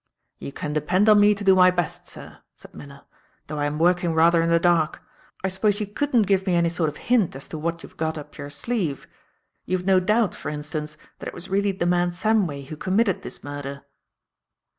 "You can depend on me to do my best, sir," said Miller, "though I am working rather in the dark. I suppose you couldn't give me any sort of hint as to what you've got up your sleeve. You've no doubt, for instance, that it was really the man Samway who committed this murder?"